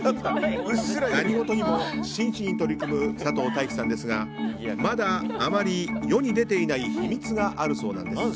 何事にも真摯に取り組む佐藤大樹さんですがまだあまり世に出ていない秘密があるそうなんです。